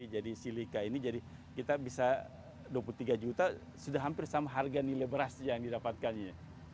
jadi silika ini jadi kita bisa rp dua puluh tiga juta sudah hampir sama harga nilai beras yang didapatkannya